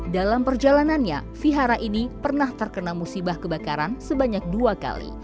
dalam perjalanannya vihara ini pernah terkena musibah kebakaran sebanyak dua kali